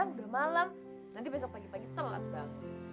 udah malam nanti besok pagi pagi telat banget